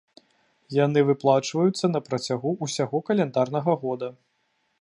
Яны выплачваюцца на працягу ўсяго каляндарнага года.